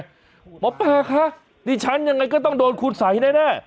หมอปลาคะดิฉันยังไงก็ต้องโดนคุณสัยแน่